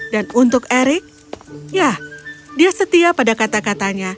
dan untuk eric ya dia setia pada kata katanya